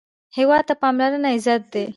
هېواد ته پاملرنه عزت دی